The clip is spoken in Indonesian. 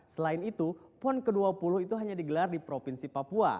selain itu pon ke dua puluh itu hanya digelar di provinsi papua